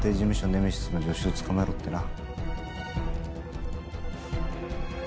ネメシスの助手を捕まえろってな。